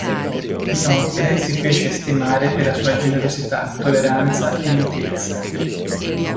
Inoltre si fece stimare per la sua generosità, tolleranza e mitezza.